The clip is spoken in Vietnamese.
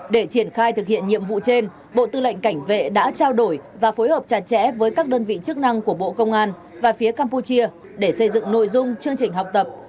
để triển khai thực hiện nhiệm vụ trên bộ tư lệnh cảnh vệ đã trao đổi và phối hợp chặt chẽ với các đơn vị chức năng của bộ công an và phía campuchia để xây dựng nội dung chương trình học tập